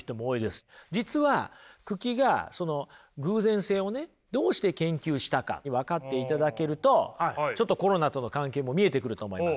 実は九鬼がその偶然性をねどうして研究したか分かっていただけるとちょっとコロナとの関係も見えてくると思います